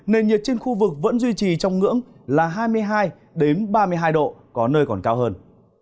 nền nhiệt trên khu vực vẫn duy trì trong ngưỡng là hai mươi hai ba mươi hai độ có nơi còn cao hơn